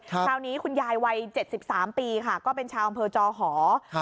คราวนี้คุณยายวัย๗๓ปีค่ะก็เป็นชาวอำเภอจอหอ